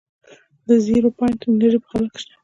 د زیرو پاینټ انرژي په خلا کې شته.